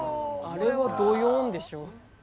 あれはどよんでしょ。